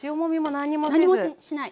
何にもしない。